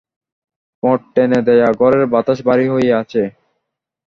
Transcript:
পদ টেনে দেয়া, ঘরের বাতাস ভারি হয়ে আছে।